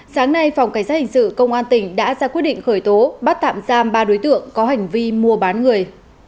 sáng nay phòng cảnh sát hình sự công an tỉnh đã ra quyết định khởi tố bắt tạm giam ba đối tượng có hành vi mua bán người